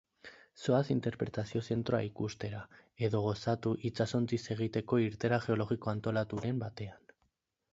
Zoaz Interpretazio Zentroa ikustera, edo gozatu itsasontziz egiteko irteera geologiko antolaturen batean.